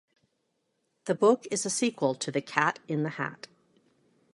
The book is a sequel to "The Cat in the Hat".